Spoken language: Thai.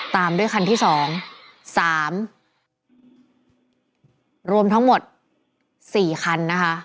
ตามด้วยคันที่สองสามรวมทั้งหมดสี่คันนะคะ